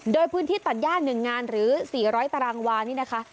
โดยพื้นที่ตัดย่าหนึ่งงานหรือสี่ร้อยตารางวานี่นะคะ